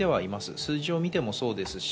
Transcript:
数字を見てもそうです。